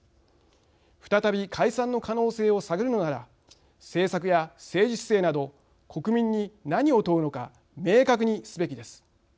再び解散の可能性を探るのなら政策や政治姿勢など国民に何を問うのか明確にすべきです。